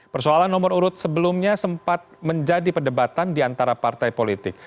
persoalan nomor urut sebelumnya sempat menjadi perdebatan di antara partai politik